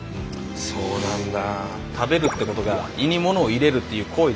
そうなんだ！